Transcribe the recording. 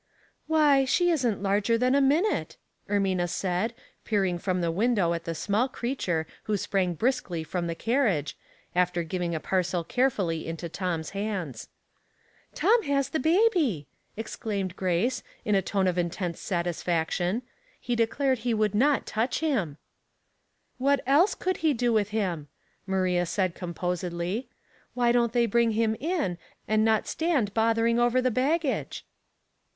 " Why, she isn't larger than a minute," Er mina said, peering from the window at the small creature who sprang briskly from the carriage, after giving a parcel carefully into Tom's hands. "Tom has the baby I " exclaimed Grace, in a Puzzling People, 199 toDe of intenso satisfaction. " He declared he would not touch him." " What eUe could be do with him ?" Maria said, composedly. *' Why don't they bring him in, and not stand bothering over the baggage